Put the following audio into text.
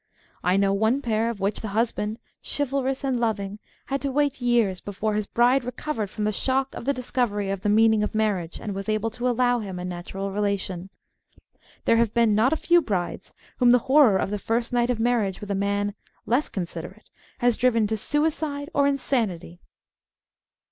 I know one pair of which the husband, chivalrous and loving, had to wait years before his bride recovered from the shock of the discovery of the meaning of marriage and was able to allow him a natural relation. There have been not a few brides whom the horror of the first night of marriage with a man less considerate has driven to suicide or insanity.